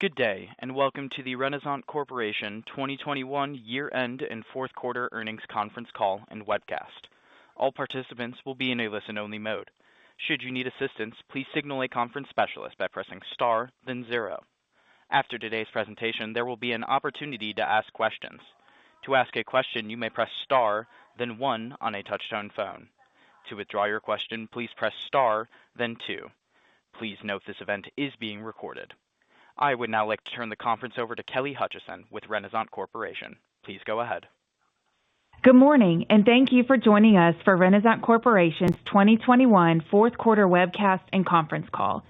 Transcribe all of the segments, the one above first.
Good day, and welcome to the Renasant Corporation 2021 year-end and fourth quarter earnings conference call and webcast. All participants will be in a listen-only mode. Should you need assistance, please signal a conference specialist by pressing Star, then zero. After today's presentation, there will be an opportunity to ask questions. To ask a question, you may press Star, then one on a touch-tone phone. To withdraw your question, please press Star then two. Please note this event is being recorded. I would now like to turn the conference over to Kelly Hutcheson with Renasant Corporation. Please go ahead. Good morning, and thank you for joining us for Renasant Corporation's 2021 fourth quarter webcast and conference call.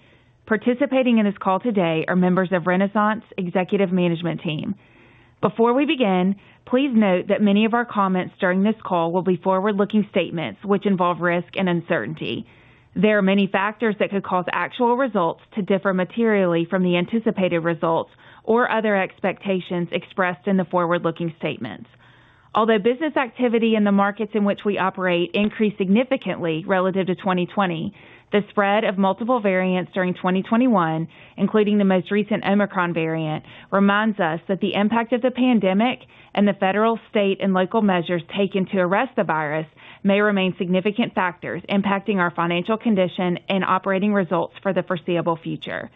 Participating in this call today are members of Renasant's executive management team. Before we begin, please note that many of our comments during this call will be forward-looking statements which involve risk and uncertainty. There are many factors that could cause actual results to differ materially from the anticipated results or other expectations expressed in the forward-looking statements. Although business activity in the markets in which we operate increased significantly relative to 2020, the spread of multiple variants during 2021, including the most recent Omicron variant, reminds us that the impact of the pandemic and the federal, state, and local measures taken to arrest the virus may remain significant factors impacting our financial condition and operating results for the foreseeable future.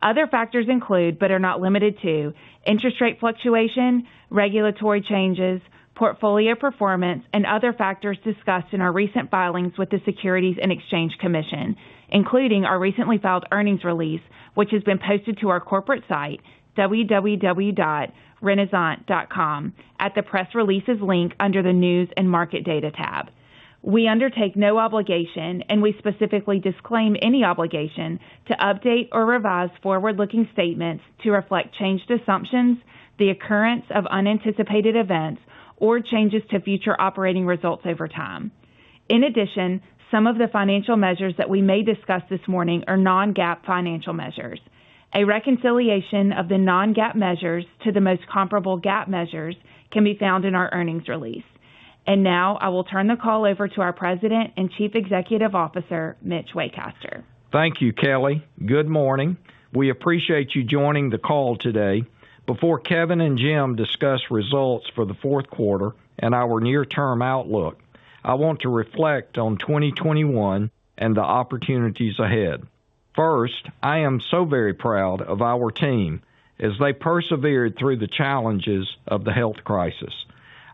Other factors include, but are not limited to interest rate fluctuation, regulatory changes, portfolio performance, and other factors discussed in our recent filings with the Securities and Exchange Commission, including our recently filed earnings release, which has been posted to our corporate site, www.renasant.com, at the Press Releases link under the News & Market Data tab. We undertake no obligation, and we specifically disclaim any obligation to update or revise forward-looking statements to reflect changed assumptions, the occurrence of unanticipated events, or changes to future operating results over time. In addition, some of the financial measures that we may discuss this morning are non-GAAP financial measures. A reconciliation of the non-GAAP measures to the most comparable GAAP measures can be found in our earnings release. Now I will turn the call over to our President and Chief Executive Officer, Mitch Waycaster. Thank you, Kelly. Good morning. We appreciate you joining the call today. Before Kevin and Jim discuss results for the fourth quarter and our near-term outlook, I want to reflect on 2021 and the opportunities ahead. First, I am so very proud of our team as they persevered through the challenges of the health crisis.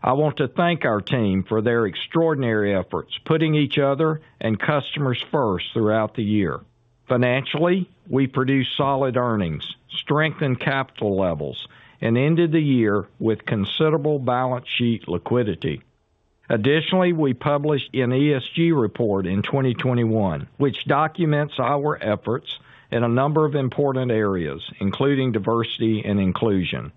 I want to thank our team for their extraordinary efforts, putting each other and customers first throughout the year. Financially, we produced solid earnings, strengthened capital levels, and ended the year with considerable balance sheet liquidity. Additionally, we published an ESG report in 2021, which documents our efforts in a number of important areas, including diversity and inclusion.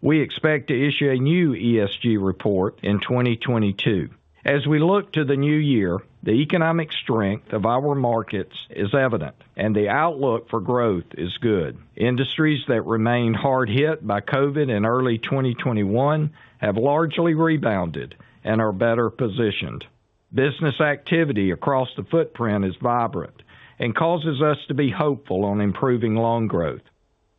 We expect to issue a new ESG report in 2022. As we look to the new year, the economic strength of our markets is evident and the outlook for growth is good. Industries that remain hard hit by COVID in early 2021 have largely rebounded and are better positioned. Business activity across the footprint is vibrant and causes us to be hopeful on improving loan growth.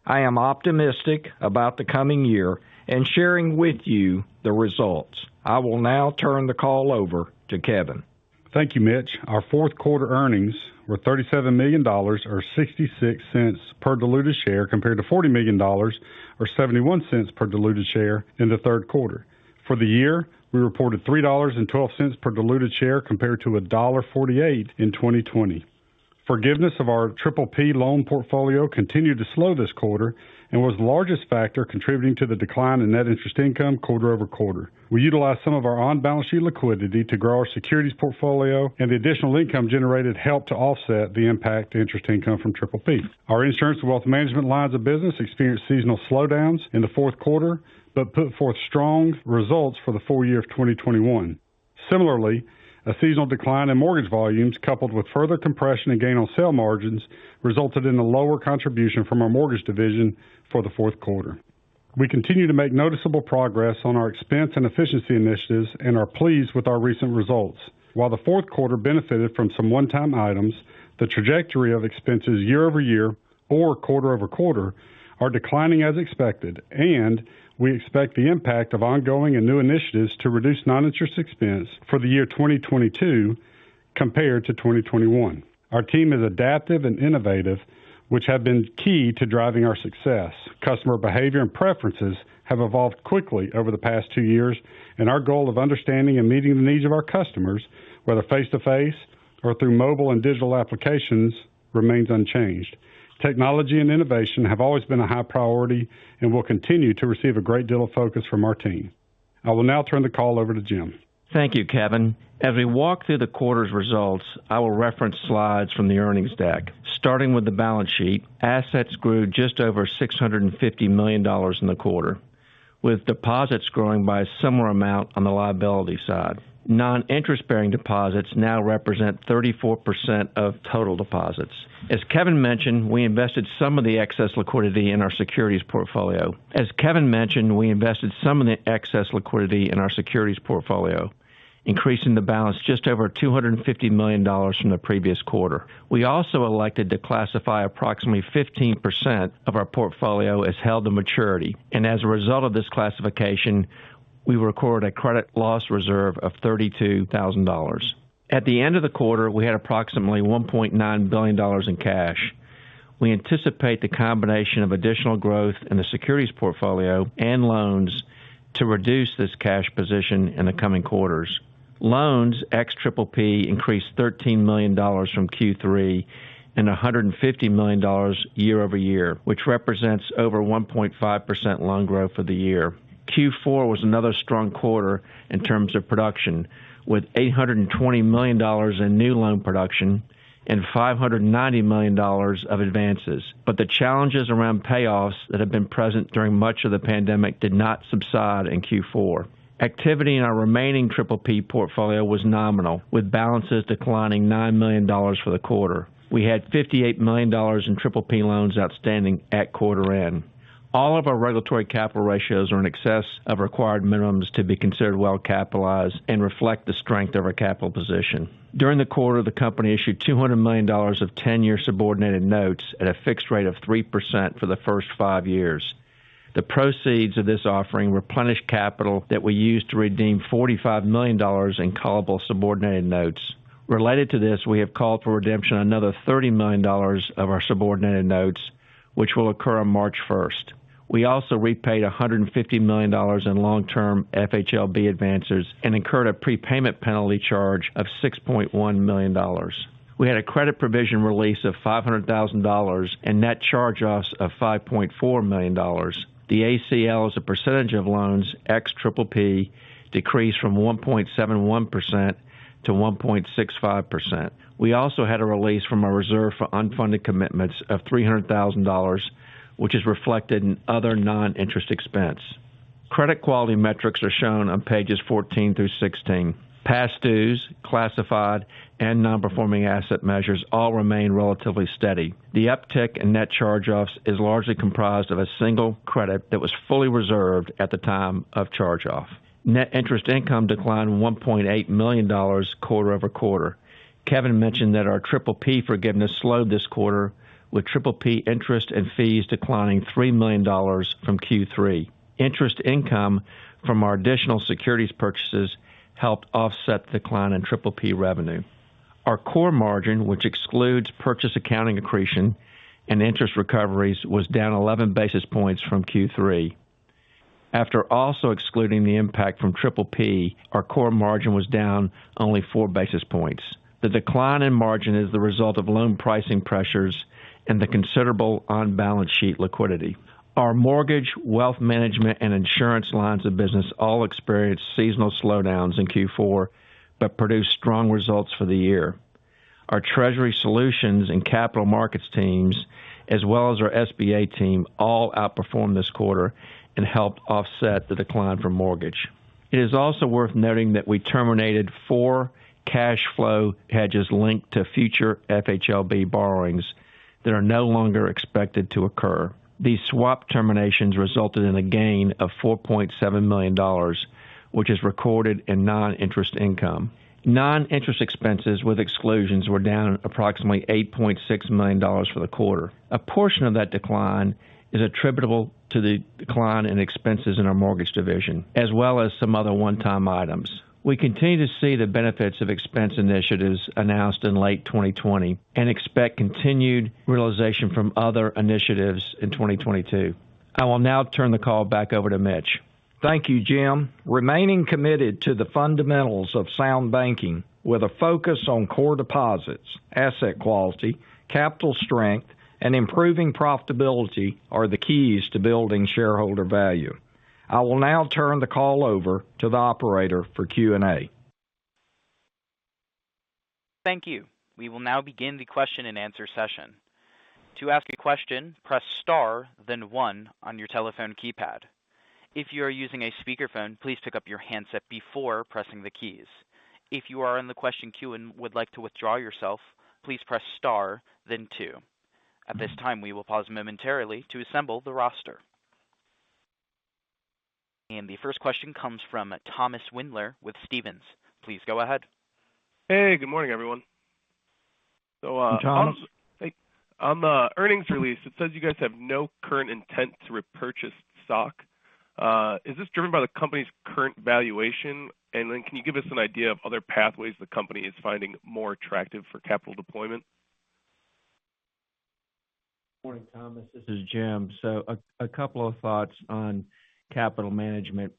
I am optimistic about the coming year and sharing with you the results. I will now turn the call over to Kevin. Thank you, Mitch. Our fourth quarter earnings were $37 million or $0.66 per diluted share compared to $40 million or $0.71 per diluted share in the third quarter. For the year, we reported $3.12 per diluted share compared to $1.48 in 2020. Forgiveness of our Triple P loan portfolio continued to slow this quarter and was the largest factor contributing to the decline in net interest income quarter-over-quarter. We utilized some of our on-balance sheet liquidity to grow our securities portfolio, and the additional income generated helped to offset the impact to interest income from Triple P. Our insurance and wealth management lines of business experienced seasonal slowdowns in the fourth quarter, but put forth strong results for the full year of 2021. Similarly, a seasonal decline in mortgage volumes, coupled with further compression and gain on sale margins, resulted in a lower contribution from our mortgage division for the fourth quarter. We continue to make noticeable progress on our expense and efficiency initiatives and are pleased with our recent results. While the fourth quarter benefited from some one-time items, the trajectory of expenses year-over-year or quarter-over-quarter are declining as expected, and we expect the impact of ongoing and new initiatives to reduce non-interest expense for the year 2022 compared to 2021. Our team is adaptive and innovative, which have been key to driving our success. Customer behavior and preferences have evolved quickly over the past two years, and our goal of understanding and meeting the needs of our customers, whether face-to-face or through mobile and digital applications, remains unchanged. Technology and innovation have always been a high priority and will continue to receive a great deal of focus from our team. I will now turn the call over to Jim. Thank you, Kevin. As we walk through the quarter's results, I will reference slides from the earnings deck. Starting with the balance sheet, assets grew just over $650 million in the quarter, with deposits growing by a similar amount on the liability side. Non-interest-bearing deposits now represent 34% of total deposits. As Kevin mentioned, we invested some of the excess liquidity in our securities portfolio, increasing the balance just over $250 million from the previous quarter. We also elected to classify approximately 15% of our portfolio as held-to-maturity. As a result of this classification We recorded a credit loss reserve of $32,000. At the end of the quarter, we had approximately $1.9 billion in cash. We anticipate the combination of additional growth in the securities portfolio and loans to reduce this cash position in the coming quarters. Loans ex PPP increased $13 million from Q3 and $150 million year-over-year, which represents over 1.5% loan growth for the year. Q4 was another strong quarter in terms of production, with $820 million in new loan production and $590 million of advances. The challenges around payoffs that have been present during much of the pandemic did not subside in Q4. Activity in our remaining PPP portfolio was nominal, with balances declining $9 million for the quarter. We had $58 million in PPP loans outstanding at quarter end. All of our regulatory capital ratios are in excess of required minimums to be considered well capitalized and reflect the strength of our capital position. During the quarter, the company issued $200 million of ten-year subordinated notes at a fixed rate of 3% for the first five years. The proceeds of this offering replenished capital that we used to redeem $45 million in callable subordinated notes. Related to this, we have called for redemption another $30 million of our subordinated notes, which will occur on March 1. We also repaid $150 million in long-term FHLB advances and incurred a prepayment penalty charge of $6.1 million. We had a credit provision release of $500,000 and net charge-offs of $5.4 million. The ACL as a percentage of loans ex PPP decreased from 1.71% to 1.65%. We also had a release from our reserve for unfunded commitments of $300,000, which is reflected in other non-interest expense. Credit quality metrics are shown on pages 14 through 16. Past dues, classified and non-performing asset measures all remain relatively steady. The uptick in net charge-offs is largely comprised of a single credit that was fully reserved at the time of charge-off. Net interest income declined $1.8 million quarter-over-quarter. Kevin mentioned that our PPP forgiveness slowed this quarter, with PPP interest and fees declining $3 million from Q3. Interest income from our additional securities purchases helped offset the decline in PPP revenue. Our core margin, which excludes purchase accounting accretion and interest recoveries, was down 11 basis points from Q3. After also excluding the impact from PPP, our core margin was down only 4 basis points. The decline in margin is the result of loan pricing pressures and the considerable on-balance sheet liquidity. Our mortgage, wealth management, and insurance lines of business all experienced seasonal slowdowns in Q4, but produced strong results for the year. Our treasury solutions and capital markets teams, as well as our SBA team, all outperformed this quarter and helped offset the decline from mortgage. It is also worth noting that we terminated four cash flow hedges linked to future FHLB borrowings that are no longer expected to occur. These swap terminations resulted in a gain of $4.7 million, which is recorded in non-interest income. Non-interest expenses with exclusions were down approximately $8.6 million for the quarter. A portion of that decline is attributable to the decline in expenses in our mortgage division, as well as some other one-time items. We continue to see the benefits of expense initiatives announced in late 2020 and expect continued realization from other initiatives in 2022. I will now turn the call back over to Mitch. Thank you, Jim. Remaining committed to the fundamentals of sound banking with a focus on core deposits, asset quality, capital strength, and improving profitability are the keys to building shareholder value. I will now turn the call over to the operator for Q&A. Thank you. We will now begin the question and answer session. To ask a question, press star then one on your telephone keypad. If you are using a speakerphone, please pick up your handset before pressing the keys. If you are on the question queue and would like to withdraw yourself, please press star then two. At this time, we will pause momentarily to assemble the roster. The first question comes from Thomas Wendler with Stephens. Please go ahead. Hey, good morning, everyone. Hey, Thomas. On the earnings release, it says you guys have no current intent to repurchase stock. Is this driven by the company's current valuation? Can you give us an idea of other pathways the company is finding more attractive for capital deployment? Morning, Thomas. This is Jim. A couple of thoughts on capital management.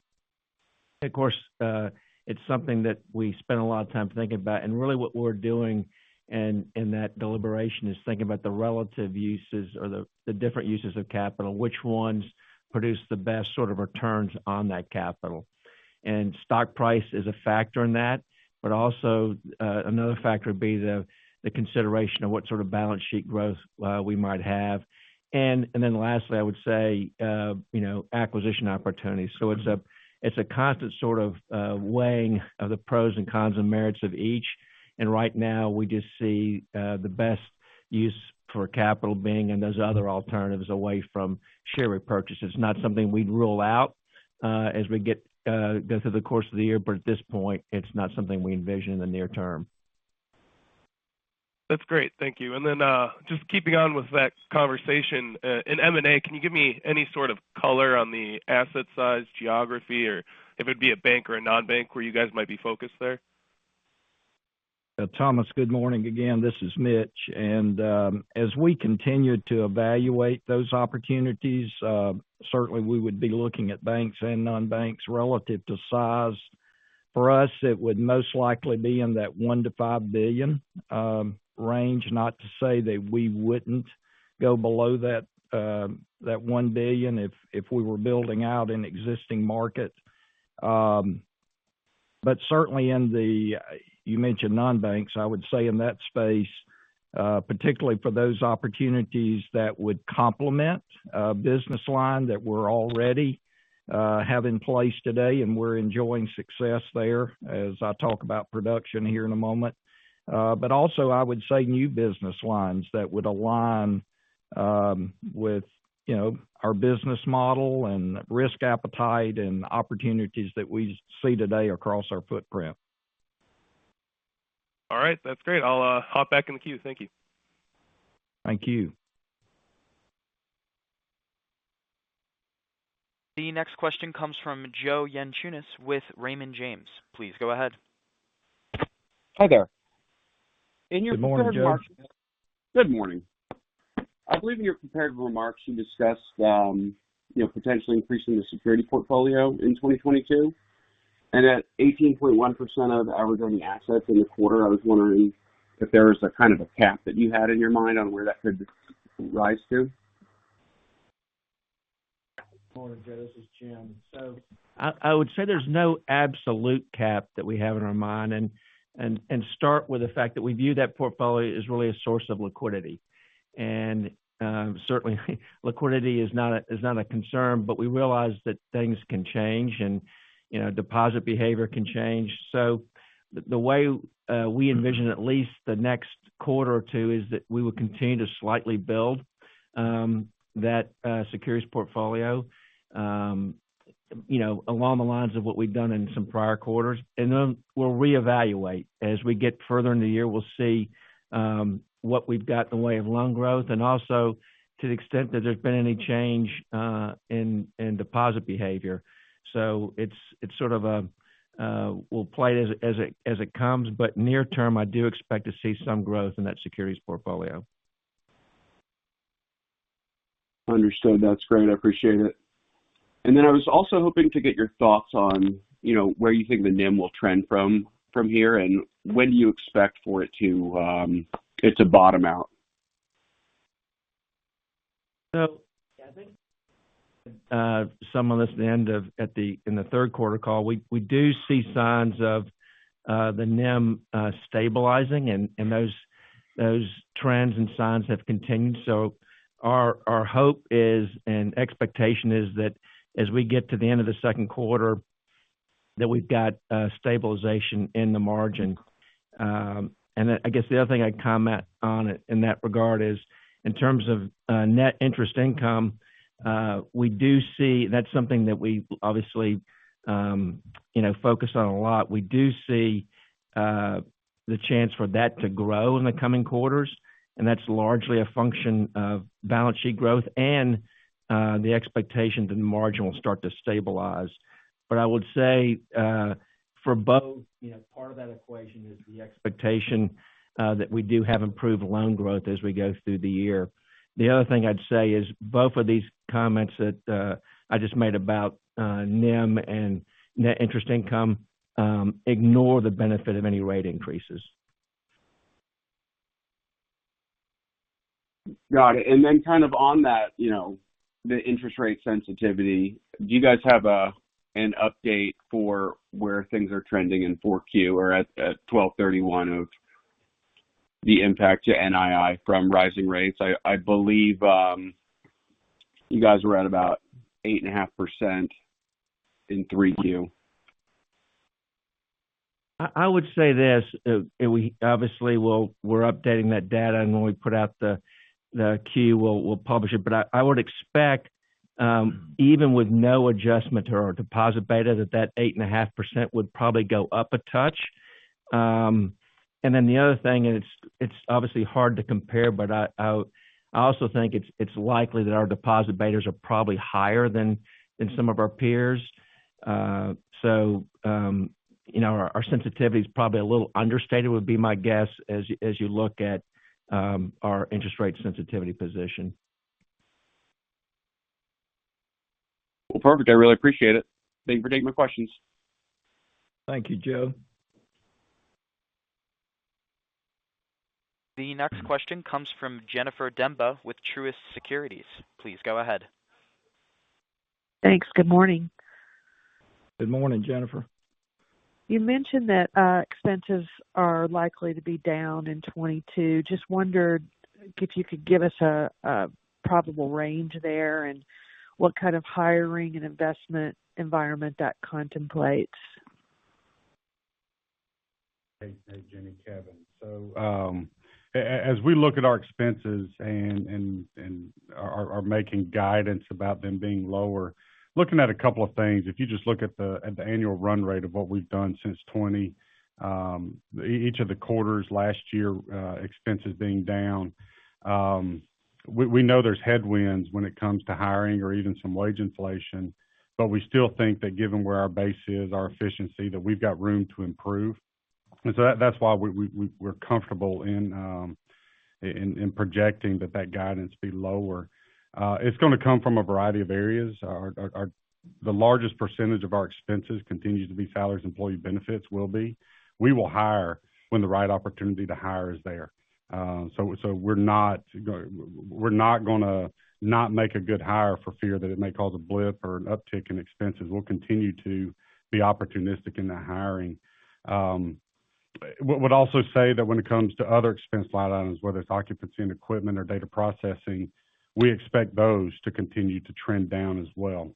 Of course, it's something that we spend a lot of time thinking about, and really what we're doing in that deliberation is thinking about the relative uses or the different uses of capital, which ones produce the best sort of returns on that capital. Stock price is a factor in that, but also, another factor would be the consideration of what sort of balance sheet growth we might have. Then lastly, I would say, you know, acquisition opportunities. It's a constant sort of weighing of the pros and cons and merits of each. Right now, we just see the best use for capital being in those other alternatives away from share repurchases. Not something we'd rule out, as we go through the course of the year, but at this point, it's not something we envision in the near term. That's great. Thank you. Just keeping on with that conversation, in M&A, can you give me any sort of color on the asset size, geography, or if it'd be a bank or a non-bank where you guys might be focused there? Thomas, good morning again, this is Mitch. As we continue to evaluate those opportunities, certainly we would be looking at banks and non-banks relative to size. For us, it would most likely be in that $1 billion-$5 billion range. Not to say that we wouldn't go below that $1 billion if we were building out an existing market. Certainly, you mentioned non-banks. I would say in that space, particularly for those opportunities that would complement a business line that we already have in place today and we're enjoying success there as I talk about production here in a moment. I would say new business lines that would align with you know, our business model and risk appetite and opportunities that we see today across our footprint. All right. That's great. I'll hop back in the queue. Thank you. Thank you. The next question comes from Joe Yanchunis with Raymond James. Please go ahead. Hi there. Good morning, Joe. Good morning. I believe in your prepared remarks, you discussed potentially increasing the securities portfolio in 2022. At 18.1% of average earning assets in the quarter, I was wondering if there was a kind of a cap that you had in your mind on where that could rise to. Good morning, Joe. This is Jim. I would say there's no absolute cap that we have in our mind and start with the fact that we view that portfolio as really a source of liquidity. Certainly liquidity is not a concern, but we realize that things can change and, you know, deposit behavior can change. The way we envision at least the next quarter or two is that we will continue to slightly build that securities portfolio, you know, along the lines of what we've done in some prior quarters. We'll reevaluate. As we get further in the year, we'll see what we've got in the way of loan growth and also to the extent that there's been any change in deposit behavior. It's sort of a, we'll play it as it comes, but near term, I do expect to see some growth in that securities portfolio. Understood. That's great. I appreciate it. I was also hoping to get your thoughts on, you know, where you think the NIM will trend from here, and when you expect for it to bottom out? Some of this at the end of the third quarter call, we do see signs of the NIM stabilizing and those trends and signs have continued. Our hope is and expectation is that as we get to the end of the second quarter, that we've got stabilization in the margin. I guess the other thing I'd comment on in that regard is in terms of net interest income, we do see that's something that we obviously you know focus on a lot. We do see the chance for that to grow in the coming quarters, and that's largely a function of balance sheet growth and the expectation that the margin will start to stabilize. I would say, for both, you know, part of that equation is the expectation that we do have improved loan growth as we go through the year. The other thing I'd say is both of these comments that I just made about NIM and net interest income ignore the benefit of any rate increases. Got it. Kind of on that, you know, the interest rate sensitivity, do you guys have an update for where things are trending in 4Q or at 12/31 of the impact to NII from rising rates? I believe you guys were at about 8.5% in 3Q. I would say this, and we obviously are updating that data, and when we put out the Q, we'll publish it. I would expect, even with no adjustment to our deposit beta, that 8.5% would probably go up a touch. The other thing, and it's obviously hard to compare, but I also think it's likely that our deposit betas are probably higher than some of our peers. You know, our sensitivity is probably a little understated, would be my guess as you look at our interest rate sensitivity position. Well, perfect. I really appreciate it. Thank you for taking my questions. Thank you, Joe. The next question comes from Jennifer Demba with Truist Securities. Please go ahead. Thanks. Good morning. Good morning, Jennifer. You mentioned that expenses are likely to be down in 2022. Just wondered if you could give us a probable range there and what kind of hiring and investment environment that contemplates. Hey, Jenny, Kevin. As we look at our expenses and are making guidance about them being lower. Looking at a couple of things, if you just look at the annual run rate of what we've done since 2020 each of the quarters last year, expenses being down, we know there's headwinds when it comes to hiring or even some wage inflation, but we still think that given where our base is, our efficiency, that we've got room to improve. That's why we're comfortable in projecting that guidance be lower. It's gonna come from a variety of areas. The largest percentage of our expenses continues to be salaries, employee benefits will be. We will hire when the right opportunity to hire is there. We're not gonna not make a good hire for fear that it may cause a blip or an uptick in expenses. We'll continue to be opportunistic in the hiring. I would also say that when it comes to other expense line items, whether it's occupancy and equipment or data processing, we expect those to continue to trend down as well.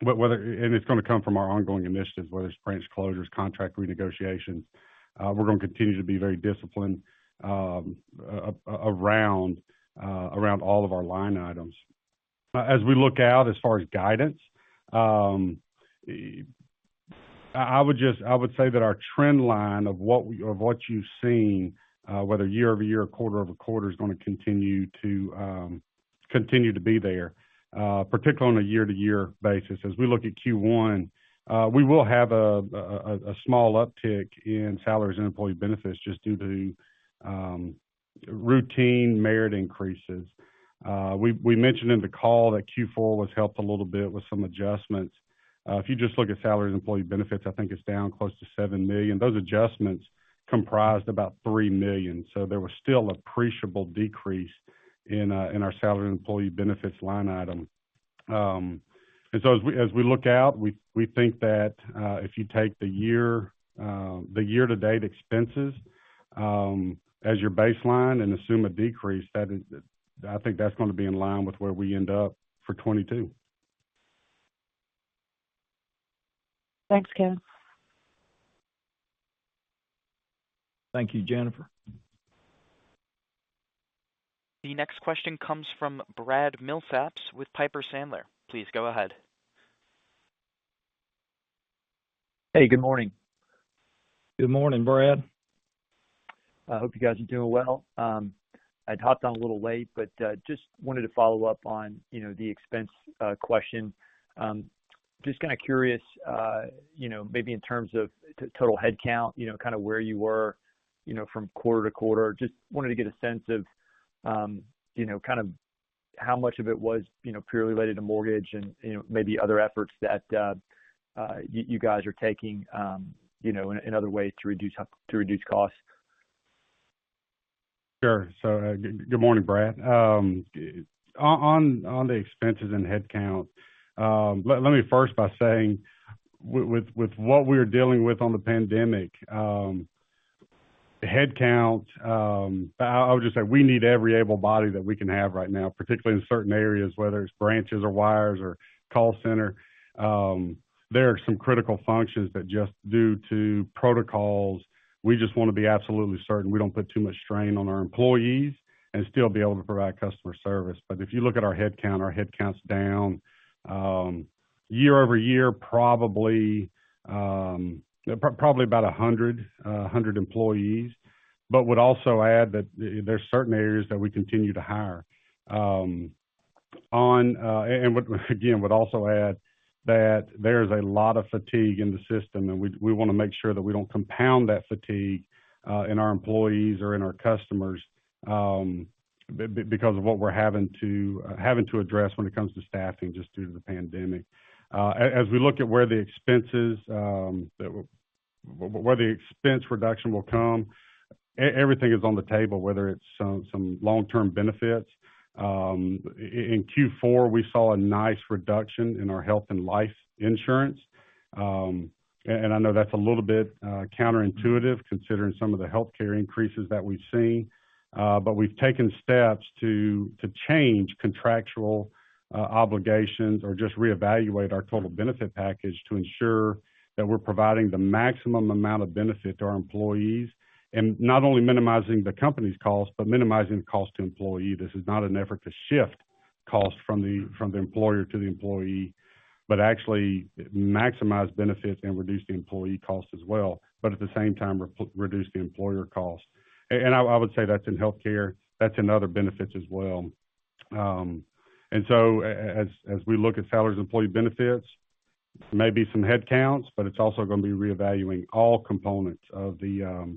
It's gonna come from our ongoing initiatives, whether it's branch closures, contract renegotiations. We're gonna continue to be very disciplined around all of our line items. As we look out as far as guidance, I would just say that our trend line of what you've seen, whether year-over-year or quarter-over-quarter, is gonna continue to be there, particularly on a year-to-year basis. As we look at Q1, we will have a small uptick in salaries and employee benefits just due to routine merit increases. We mentioned in the call that Q4 was helped a little bit with some adjustments. If you just look at salaries and employee benefits, I think it's down close to $7 million. Those adjustments comprised about $3 million. There was still appreciable decrease in our salary and employee benefits line item. As we look out, we think that if you take the year-to-date expenses as your baseline and assume a decrease, I think that's gonna be in line with where we end up for 2022. Thanks, Kevin. Thank you, Jennifer. The next question comes from Brad Millsaps with Piper Sandler. Please go ahead. Hey, good morning. Good morning, Brad. I hope you guys are doing well. I'd hopped on a little late, but just wanted to follow up on, you know, the expense question. Just kind of curious, you know, maybe in terms of total headcount, you know, kind of where you were, you know, from quarter to quarter. Just wanted to get a sense of, you know, kind of how much of it was, you know, purely related to mortgage and, you know, maybe other efforts that you guys are taking, you know, in other ways to reduce costs. Sure. Good morning, Brad. On the expenses and headcount, let me start by saying with what we're dealing with on the pandemic, headcount. I would just say we need every able body that we can have right now, particularly in certain areas, whether it's branches or wires or call center. There are some critical functions that just due to protocols, we just want to be absolutely certain we don't put too much strain on our employees and still be able to provide customer service. If you look at our headcount, our headcount's down year-over-year, probably about 100 employees. I would also add that there are certain areas that we continue to hire. Would also add that there is a lot of fatigue in the system, and we want to make sure that we don't compound that fatigue in our employees or in our customers because of what we're having to address when it comes to staffing just due to the pandemic. As we look at where the expense reduction will come, everything is on the table, whether it's some long-term benefits. In Q4, we saw a nice reduction in our health and life insurance. I know that's a little bit counterintuitive considering some of the healthcare increases that we've seen. We've taken steps to change contractual obligations or just reevaluate our total benefit package to ensure that we're providing the maximum amount of benefit to our employees, and not only minimizing the company's cost, but minimizing the cost to employee. This is not an effort to shift cost from the employer to the employee, but actually maximize benefits and reduce the employee cost as well, but at the same time, reduce the employer cost. I would say that's in healthcare, that's in other benefits as well. As we look at salaries, employee benefits, maybe some headcounts, but it's also going to be reevaluating all components of that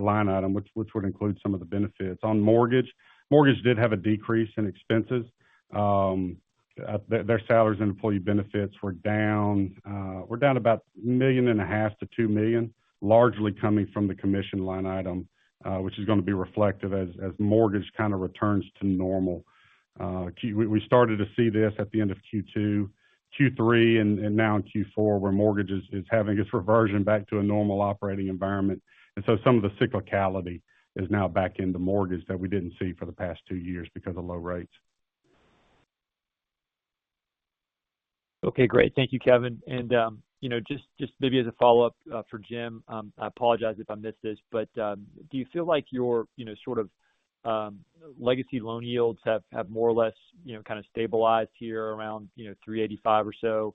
line item, which would include some of the benefits. On mortgage did have a decrease in expenses. Their salaries and employee benefits were down. We're down about $1.5 million-$2 million, largely coming from the commission line item, which is gonna be reflective as mortgage kind of returns to normal. We started to see this at the end of Q2, Q3, and now in Q4, where mortgage is having its reversion back to a normal operating environment. Some of the cyclicality is now back into mortgage that we didn't see for the past two years because of low rates. Okay, great. Thank you, Kevin. You know, just maybe as a follow-up for Jim, I apologize if I missed this, but do you feel like your, you know, sort of legacy loan yields have more or less, you know, kind of stabilized here around 3.85% or so?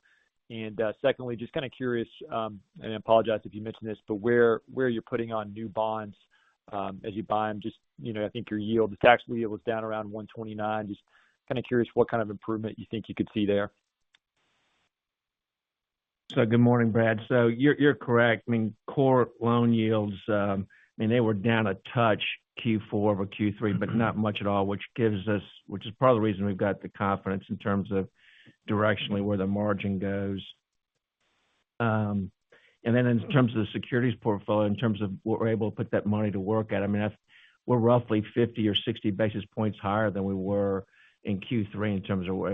Secondly, just kind of curious, and I apologize if you mentioned this, but where you're putting on new bonds as you buy them, just you know, I think your yield, the tax yield was down around 1.29%. Just kinda curious what kind of improvement you think you could see there. Good morning, Brad. You're correct. I mean, core loan yields, I mean, they were down a touch Q4 over Q3, but not much at all, which is part of the reason we've got the confidence in terms of directionally where the margin goes. And then in terms of the securities portfolio, in terms of what we're able to put that money to work at, I mean, that's we're roughly 50 or 60 basis points higher than we were in Q3 in terms of what we're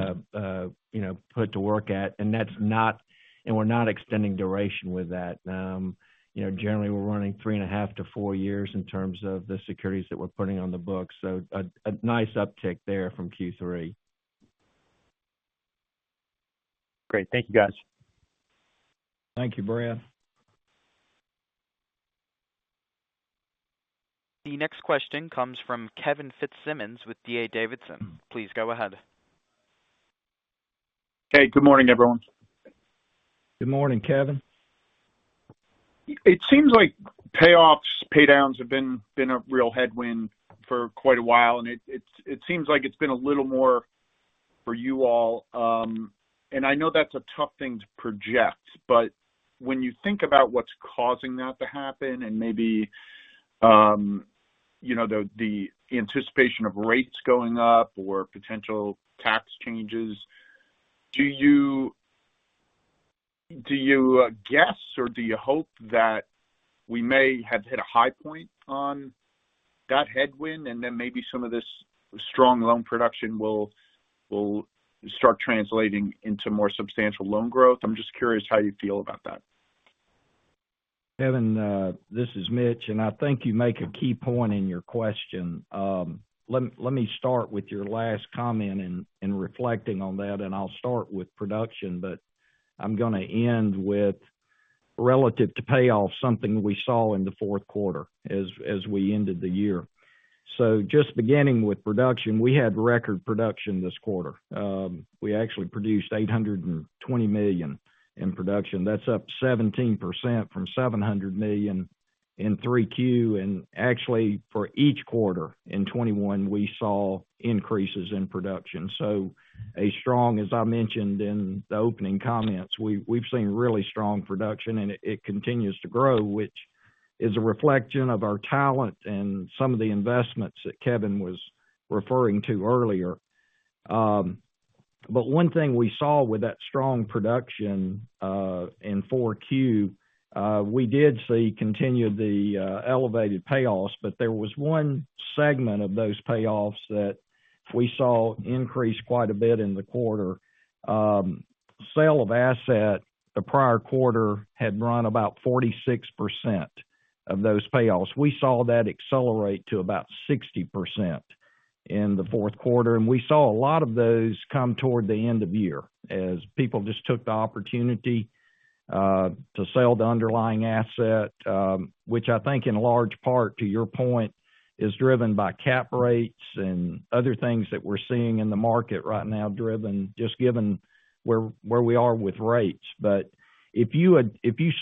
able, you know, put to work at. And that's not, and we're not extending duration with that. You know, generally we're running 3.5-4 years in terms of the securities that we're putting on the books. A nice uptick there from Q3. Great. Thank you, guys. Thank you, Brad. The next question comes from Kevin Fitzsimmons with D.A. Davidson. Please go ahead. Hey, good morning, everyone. Good morning, Kevin. It seems like payoffs, paydowns have been a real headwind for quite a while, and it seems like it's been a little more for you all. I know that's a tough thing to project, but when you think about what's causing that to happen and maybe you know the anticipation of rates going up or potential tax changes, do you guess or do you hope that we may have hit a high point on that headwind and then maybe some of this strong loan production will start translating into more substantial loan growth? I'm just curious how you feel about that. Kevin, this is Mitch, and I think you make a key point in your question. Let me start with your last comment and reflecting on that, and I'll start with production, but I'm gonna end with relative to payoff, something we saw in the fourth quarter as we ended the year. Just beginning with production, we had record production this quarter. We actually produced $820 million in production. That's up 17% from $700 million in 3Q. Actually, for each quarter in 2021, we saw increases in production. A strong, as I mentioned in the opening comments, we've seen really strong production and it continues to grow, which is a reflection of our talent and some of the investments that Kevin was referring to earlier. One thing we saw with that strong production in 4Q was continued elevated payoffs, but there was one segment of those payoffs that we saw increase quite a bit in the quarter. The sale of asset in the prior quarter had run about 46% of those payoffs. We saw that accelerate to about 60% in the fourth quarter, and we saw a lot of those come toward the end of the year as people just took the opportunity to sell the underlying asset, which I think in large part, to your point, is driven by cap rates and other things that we're seeing in the market right now driven just given where we are with rates. If you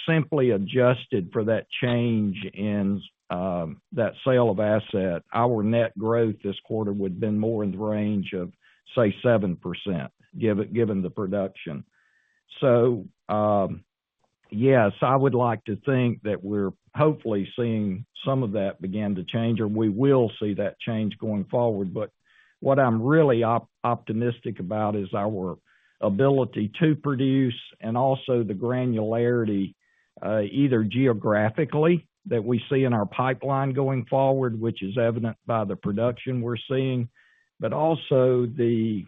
simply adjusted for that change in that sale of asset, our net growth this quarter would have been more in the range of, say, 7% given the production. Yes, I would like to think that we're hopefully seeing some of that begin to change or we will see that change going forward. What I'm really optimistic about is our ability to produce and also the granularity either geographically that we see in our pipeline going forward, which is evident by the production we're seeing, but also the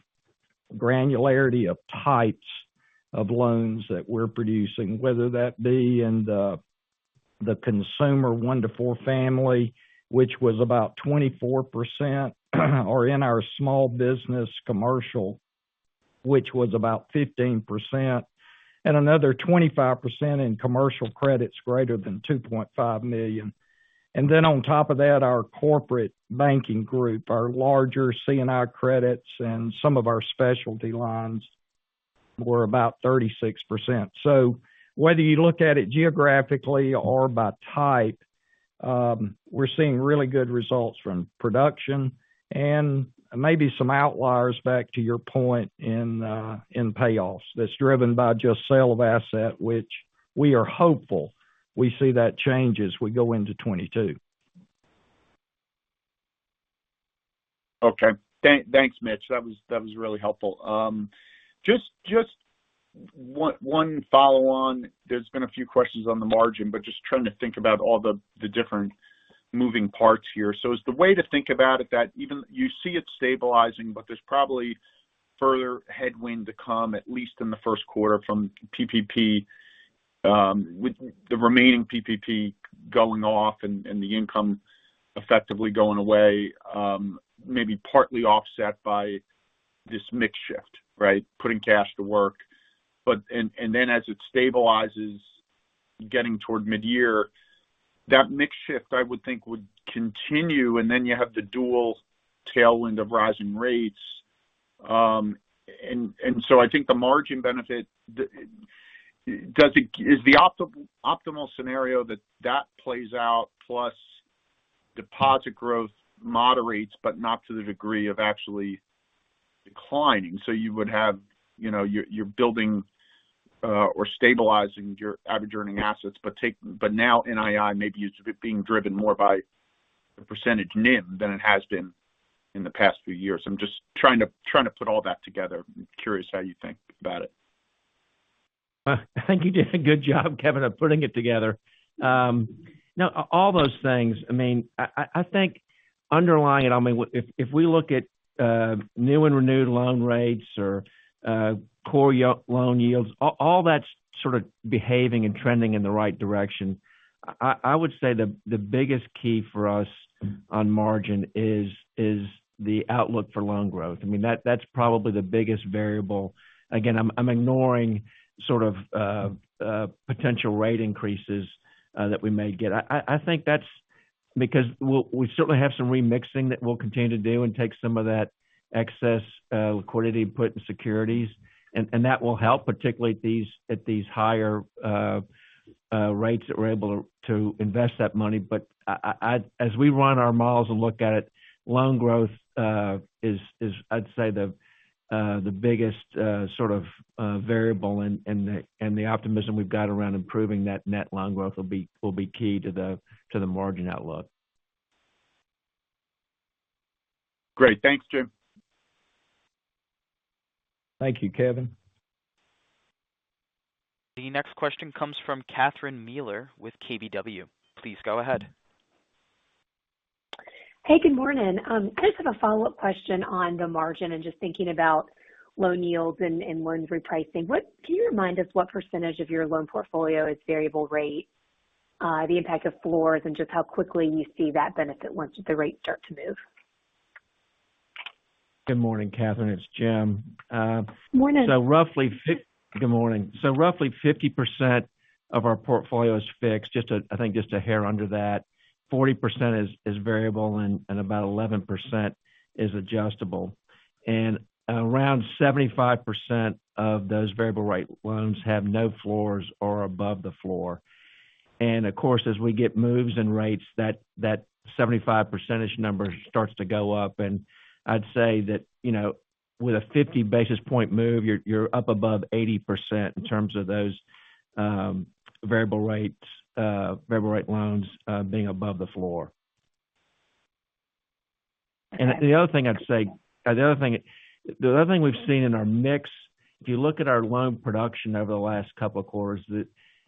granularity of types of loans that we're producing, whether that be in the consumer 1-4 family, which was about 24% or in our small business commercial, which was about 15%, and another 25% in commercial credits greater than 2.5 million. On top of that, our corporate banking group, our larger C&I credits and some of our specialty lines were about 36%. Whether you look at it geographically or by type, we're seeing really good results from production and maybe some outliers back to your point in payoffs. That's driven by just sale of asset, which we are hopeful we see that change as we go into 2022. Thanks, Mitch. That was really helpful. Just one follow on. There's been a few questions on the margin, but just trying to think about all the different moving parts here. Is the way to think about it that even you see it stabilizing, but there's probably further headwind to come, at least in the first quarter from PPP, with the remaining PPP going off and the income effectively going away, maybe partly offset by this mix shift, right? Putting cash to work. Then as it stabilizes getting toward midyear, that mix shift, I would think would continue, and then you have the dual tailwind of rising rates. I think the margin benefit is the optimal scenario that plays out plus deposit growth moderates, but not to the degree of actually declining. You would have, you know, you're building or stabilizing your average earning assets, but now NII maybe is being driven more by the percentage NIM than it has been in the past few years. I'm just trying to put all that together. I'm curious how you think about it. I think you did a good job, Kevin, of putting it together. No, all those things, I mean, I think underlying it, I mean, if we look at new and renewed loan rates or core loan yields, all that's sort of behaving and trending in the right direction. I would say the biggest key for us on margin is the outlook for loan growth. I mean, that's probably the biggest variable. Again, I'm ignoring sort of potential rate increases that we may get. I think that's because we certainly have some remixing that we'll continue to do and take some of that excess liquidity and put in securities. That will help, particularly at these higher rates that we're able to invest that money. I, as we run our models and look at it, loan growth is I'd say the biggest sort of variable. The optimism we've got around improving that net loan growth will be key to the margin outlook. Great. Thanks, Jim. Thank you, Kevin. The next question comes from Catherine Mealor with KBW. Please go ahead. Hey, good morning. I just have a follow-up question on the margin and just thinking about loan yields and loans repricing. Can you remind us what percentage of your loan portfolio is variable rate, the impact of floors and just how quickly you see that benefit once the rates start to move? Good morning, Catherine. It's Jim. Morning. Good morning. Roughly 50% of our portfolio is fixed, just a hair under that. 40% is variable, and about 11% is adjustable. Around 75% of those variable rate loans have no floors or above the floor. Of course, as we get moves in rates, that 75% number starts to go up. I'd say that, you know, with a 50 basis point move, you're up above 80% in terms of those variable rate loans being above the floor. Okay. The other thing I'd say, or the other thing we've seen in our mix, if you look at our loan production over the last couple of quarters,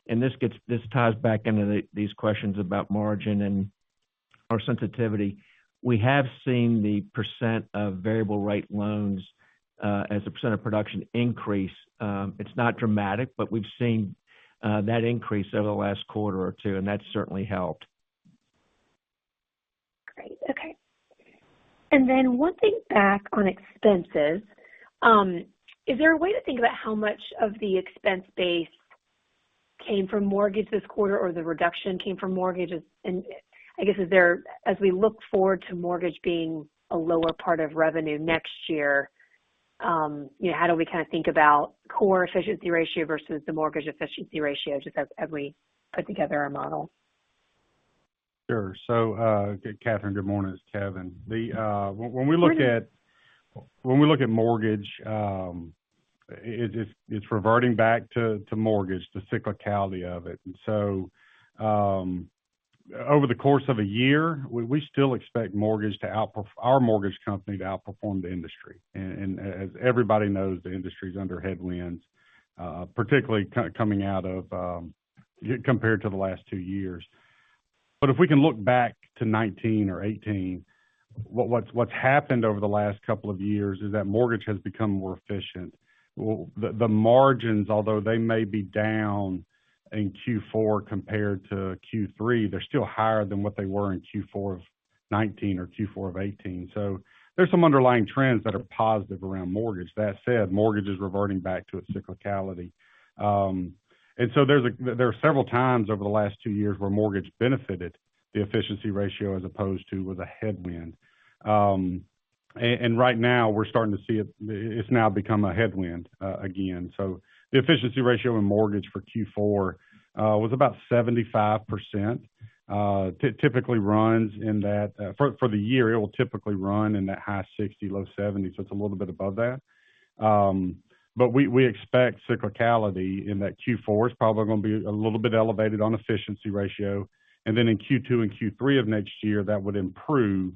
and this ties back into these questions about margin and our sensitivity. We have seen the percent of variable rate loans, as a percent of production increase. It's not dramatic, but we've seen that increase over the last quarter or two, and that's certainly helped. Great. Okay. One thing back on expenses, is there a way to think about how much of the expense base came from mortgage this quarter or the reduction came from mortgages? I guess, as we look forward to mortgage being a lower part of revenue next year, you know, how do we kind of think about core efficiency ratio versus the mortgage efficiency ratio just as we put together our model? Sure. Catherine, good morning. It's Kevin. When we look at- Morning. When we look at mortgage, it's reverting back to mortgage, the cyclicality of it. Over the course of a year, we still expect our mortgage company to outperform the industry. As everybody knows, the industry is under headwinds, particularly coming out of compared to the last two years. If we can look back to 2019 or 2018, what's happened over the last couple of years is that mortgage has become more efficient. Well, the margins, although they may be down in Q4 compared to Q3, they're still higher than what they were in Q4 of 2019 or Q4 of 2018. There's some underlying trends that are positive around mortgage. That said, mortgage is reverting back to its cyclicality. There are several times over the last two years where mortgage benefited the efficiency ratio as opposed to with a headwind. Right now we're starting to see it. It's now become a headwind again. The efficiency ratio in mortgage for Q4 was about 75%. Typically runs in that. For the year, it will typically run in that high 60, low 70. It's a little bit above that. We expect cyclicality in that Q4 is probably gonna be a little bit elevated on efficiency ratio. Then in Q2 and Q3 of next year, that would improve,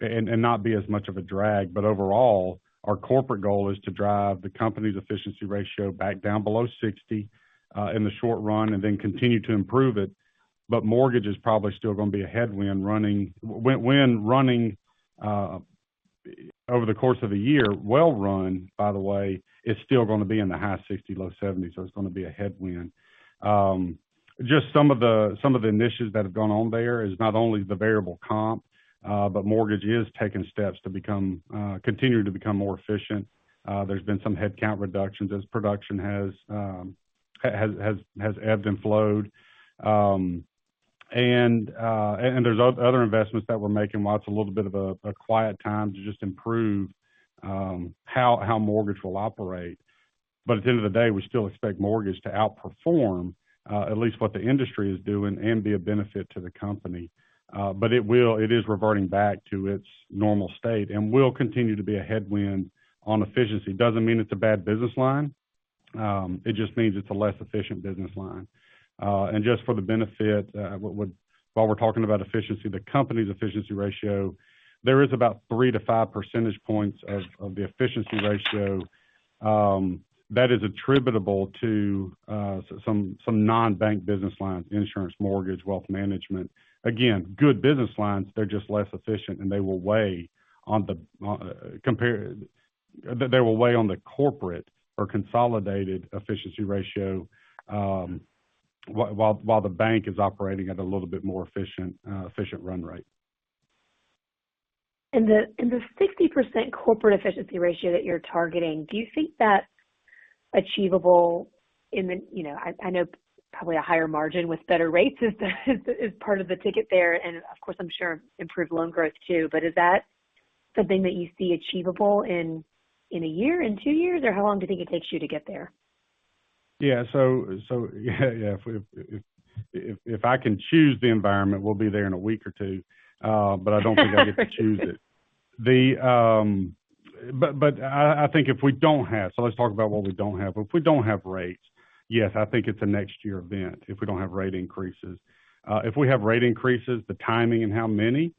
and not be as much of a drag. Overall, our corporate goal is to drive the company's efficiency ratio back down below 60 in the short run and then continue to improve it. Mortgage is probably still gonna be a headwind running over the course of the year. Well run, by the way, is still going to be in the high 60, low 70, so it's going to be a headwind. Just some of the initiatives that have gone on there is not only the variable comp, but mortgage is taking steps to become continuing to become more efficient. There's been some headcount reductions as production has ebbed and flowed. And there's other investments that we're making while it's a little bit of a quiet time to just improve how mortgage will operate. At the end of the day, we still expect mortgage to outperform at least what the industry is doing and be a benefit to the company. It is reverting back to its normal state and will continue to be a headwind on efficiency. Doesn't mean it's a bad business line, it just means it's a less efficient business line. Just for the benefit, while we're talking about efficiency, the company's efficiency ratio, there is about 3-5 percentage points of the efficiency ratio that is attributable to some non-bank business lines, insurance, mortgage, wealth management. Again, good business lines, they're just less efficient, and they will weigh on the corporate or consolidated efficiency ratio, while the bank is operating at a little bit more efficient run rate. The 60% corporate efficiency ratio that you're targeting, do you think that's achievable in the, you know, I know probably a higher margin with better rates is part of the ticket there, and of course, I'm sure improved loan growth too. But is that something that you see achievable in a year, in two years, or how long do you think it takes you to get there? Yeah, if I can choose the environment, we'll be there in a week or two, but I don't think I get to choose it. I think if we don't have, let's talk about what we don't have. If we don't have rates, yes, I think it's a next year event if we don't have rate increases. If we have rate increases, the timing and how many,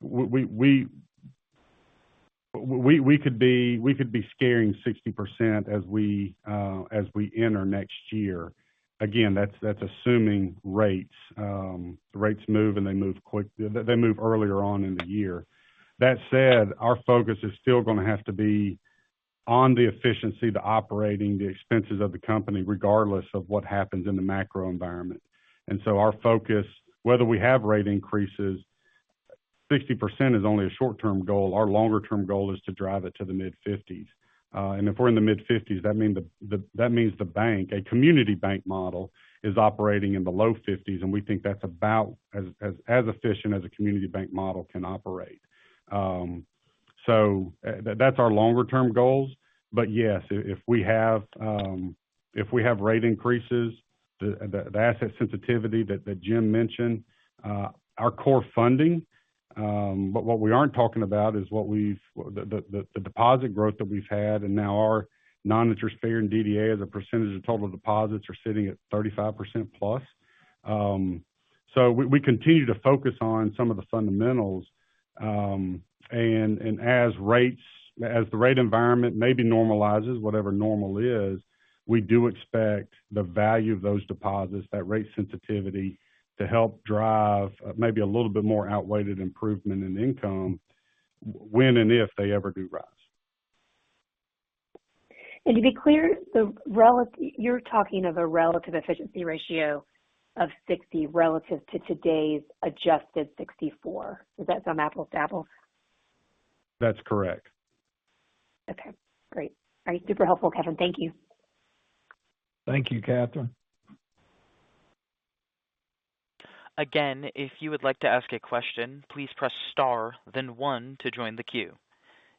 we could be seeing 60% as we enter next year. Again, that's assuming rates, the rates move, and they move earlier in the year. That said, our focus is still going to have to be on the efficiency, the operating, the expenses of the company, regardless of what happens in the macro environment. Our focus, whether we have rate increases, 60% is only a short-term goal. Our longer-term goal is to drive it to the mid-fifties. If we're in the mid-fifties, that means the bank, a community bank model is operating in the low fifties, and we think that's about as efficient as a community bank model can operate. So that's our longer term goals. Yes, if we have rate increases, the asset sensitivity that Jim mentioned, our core funding, but what we aren't talking about is the deposit growth that we've had and now our non-interest paying and DDA as a percentage of total deposits are sitting at 35% plus. We continue to focus on some of the fundamentals. As the rate environment maybe normalizes, whatever normal is, we do expect the value of those deposits, that rate sensitivity to help drive maybe a little bit more outweighed improvement in income when and if they ever do rise. To be clear, the relative—you're talking of a relative efficiency ratio of 60 relative to today's adjusted 64. Is that some apples to apples? That's correct. Okay, great. All right. Super helpful, Kevin. Thank you. Thank you, Katherine. Again, if you would like to ask a question, please press star then one to join the queue.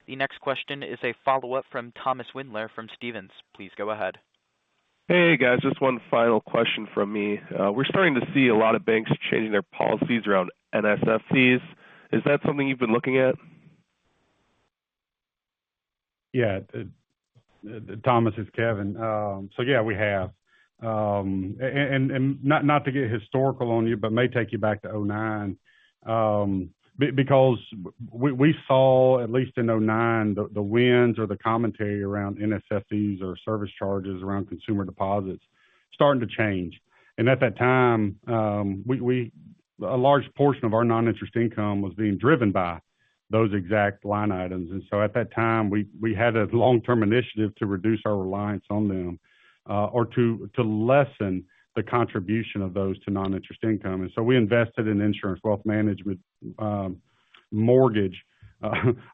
The next question is a follow-up from Thomas Wendler from Stephens. Please go ahead. Hey, guys, just one final question from me. We're starting to see a lot of banks changing their policies around NSFs. Is that something you've been looking at? Yeah. Thomas Wendler, it's Kevin Chapman. Not to get historical on you, but might take you back to 2009. Because we saw, at least in 2009, the winds or the commentary around NSFs or service charges around consumer deposits starting to change. At that time, a large portion of our noninterest income was being driven by those exact line items. At that time, we had a long-term initiative to reduce our reliance on them, or to lessen the contribution of those to noninterest income. We invested in insurance, wealth management, mortgage,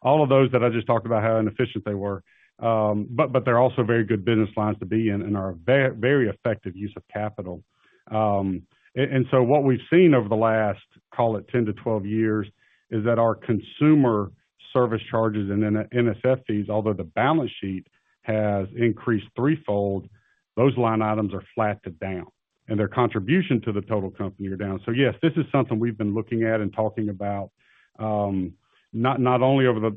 all of those that I just talked about how inefficient they were. They're also very good business lines to be in and are a very effective use of capital. What we've seen over the last, call it 10-12 years, is that our consumer service charges and NSFs, although the balance sheet has increased threefold, those line items are flat to down, and their contribution to the total company are down. Yes, this is something we've been looking at and talking about, not only over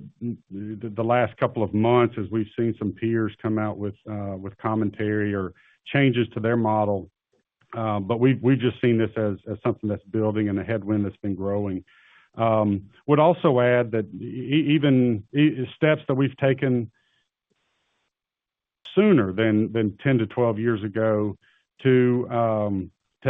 the last couple of months as we've seen some peers come out with commentary or changes to their model. We've just seen this as something that's building and a headwind that's been growing. Would also add that even steps that we've taken sooner than 10-12 years ago to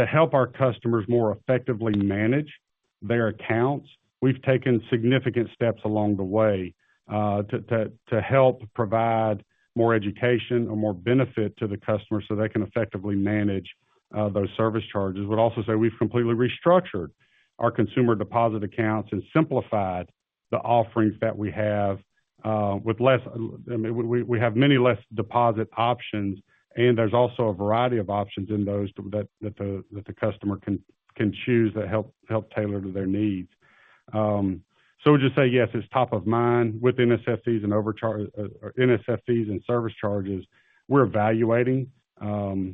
help our customers more effectively manage their accounts. We've taken significant steps along the way to help provide more education or more benefit to the customer so they can effectively manage those service charges. Would also say we've completely restructured our consumer deposit accounts and simplified the offerings that we have. We have many less deposit options, and there's also a variety of options in those that the customer can choose that help tailor to their needs. I would just say, yes, it's top of mind with NSFs and service charges. We're evaluating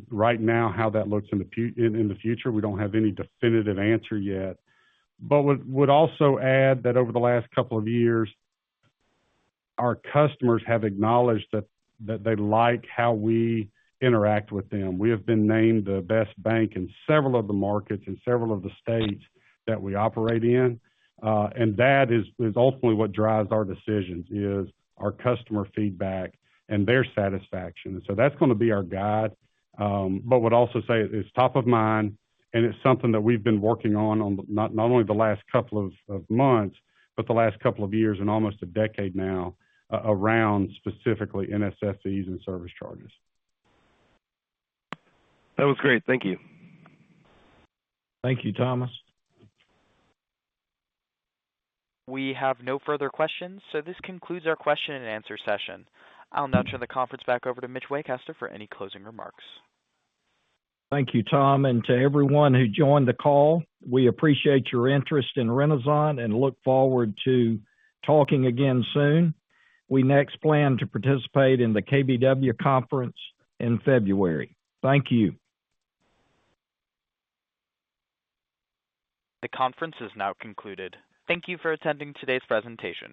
right now how that looks in the future. We don't have any definitive answer yet. Would also add that over the last couple of years, our customers have acknowledged that they like how we interact with them. We have been named the best bank in several of the markets, in several of the states that we operate in. That is ultimately what drives our decisions is our customer feedback and their satisfaction. That's gonna be our guide. Would also say it's top of mind, and it's something that we've been working on not only the last couple of months, but the last couple of years and almost a decade now around specifically NSFs and service charges. That was great. Thank you. Thank you, Thomas. We have no further questions, so this concludes our question and answer session. I'll now turn the conference back over to Mitch Waycaster for any closing remarks. Thank you, Tom, and to everyone who joined the call. We appreciate your interest in Renasant and look forward to talking again soon. We next plan to participate in the KBW conference in February. Thank you. The conference is now concluded. Thank you for attending today's presentation.